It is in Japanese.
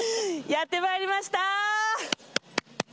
やってまいりました！